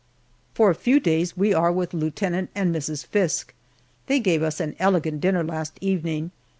For a few days we are with Lieutenant and Mrs. Fiske. They gave us an elegant dinner last evening.